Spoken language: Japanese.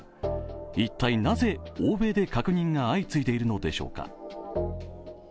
一体なぜ欧米で確認が相次いでいるのでしょうか。